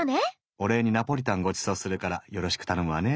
お礼にナポリタンごちそうするからよろしく頼むわね。